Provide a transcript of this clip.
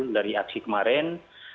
dari aksi kemarin